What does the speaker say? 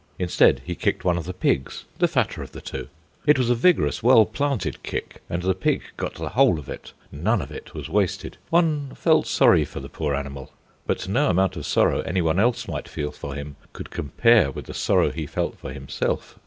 Instead, he kicked one of the pigs, the fatter of the two. It was a vigorous, well planted kick, and the pig got the whole of it; none of it was wasted. One felt sorry for the poor animal; but no amount of sorrow anyone else might feel for him could compare with the sorrow he felt for himself.